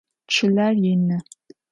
Чылэр ины.